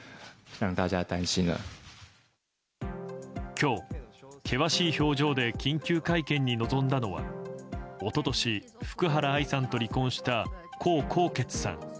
今日、険しい表情で緊急会見に臨んだのは一昨年、福原愛さんと離婚した江宏傑さん。